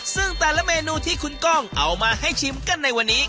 ซึ่งแต่ละเมนูที่คุณก้องเอามาให้ชิมกันในวันนี้